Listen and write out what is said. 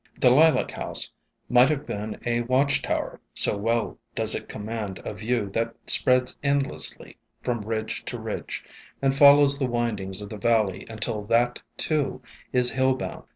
The Lilac House might have been a watch 64 ESCAPED FROM GARDENS tower, so well does it command a view that spreads endlessly from ridge to ridge, and follows the windings of the valley until that, too, is hill bound.